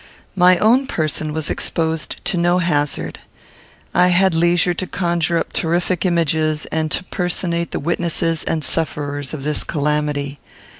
My own person was exposed to no hazard. I had leisure to conjure up terrific images, and to personate the witnesses and sufferers of this calamity.